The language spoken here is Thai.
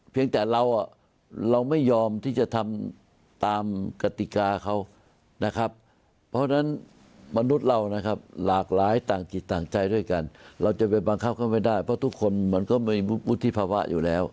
แต่เราเราไม่ยอมที่จะทำตามกติกาเขานะครับเพราะฉะนั้นมนุษย์เรานะครับหลากหลายต่างจิตต่างใจด้วยกันเราจะไปบังคับเขาไม่ได้เพราะทุกคนมันก็มีวุฒิภาวะอยู่แล้ว